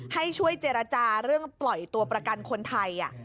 ให้ช่วยเจรจาเรื่องปล่อยตัวประกันคนไทย